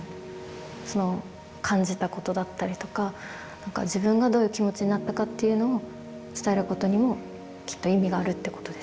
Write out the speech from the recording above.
感じたことだったりとか自分がどういう気持ちになったかっていうのを伝えることにもきっと意味があるってことですよね。